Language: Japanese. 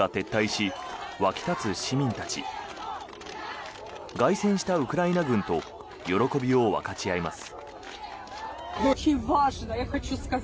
凱旋したウクライナ軍と喜びを分かち合います。